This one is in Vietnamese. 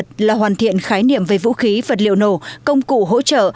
sự thảo luật là hoàn thiện khái niệm về vũ khí vật liệu nổ công cụ hỗ trợ